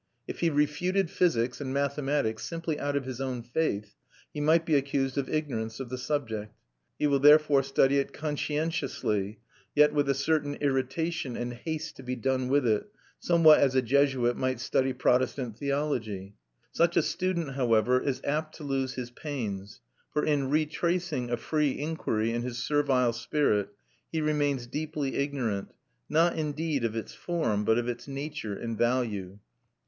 If he refuted physics and mathematics simply out of his own faith, he might be accused of ignorance of the subject. He will therefore study it conscientiously, yet with a certain irritation and haste to be done with it, somewhat as a Jesuit might study Protestant theology. Such a student, however, is apt to lose his pains; for in retracing a free inquiry in his servile spirit, he remains deeply ignorant, not indeed of its form, but of its nature and value.